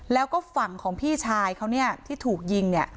แล้วก็ฝั่งของพี่ชายเขาเนี่ยที่ถูกยิงเนี่ย